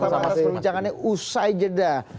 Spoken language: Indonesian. terus perbincangannya usai jeddah